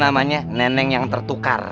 namanya neneng yang tertukar